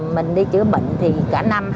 mình đi chữa bệnh thì cả năm